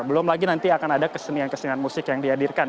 belum lagi nanti akan ada kesenian kesenian musik yang dihadirkan